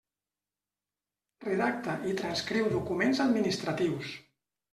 Redacta i transcriu documents administratius.